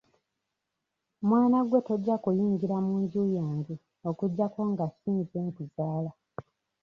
Mwana gwe tojja kuyingira mu nju yange okuggyako nga si nze nkuzaala.